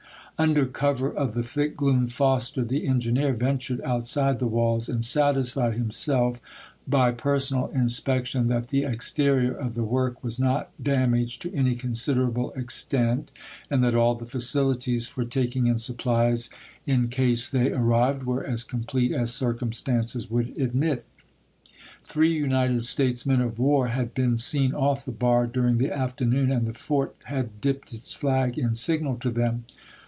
Under cover of the thick gloom, Foster, the engineer, ventured out side the walls and satisfied himself "by personal inspection that the exterior of the work was not 54 ABEAHAM LINCOLN Chap. III. damaged to any considerable extent, and that all Foster, the facilities for taking in supplies in case they Apn^risoi. arrived were as complete as circumstances would I., p. 21!* ■ admit." Three United States men of war had been seen off the bar during the afternoon, and the fort had dipped its flag in signal to them.